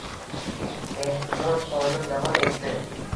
Mexmon xonim davom etdi: